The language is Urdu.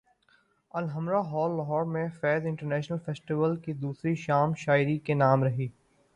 الحمرا ہال لاہور میں فیض انٹرنیشنل فیسٹیول کی دوسری شام شاعری کے نام رہی